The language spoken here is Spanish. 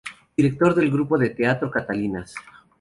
Director del Grupo de Teatro Catalinas.